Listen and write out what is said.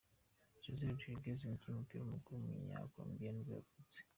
James Rodríguez, umukinnyi w’umupira w’amaguru w’umunyakolombiya nibwo yavutse.